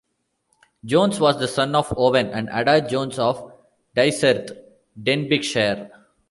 Jones was the son of Owen and Ada Jones of Dyserth, Denbighshire.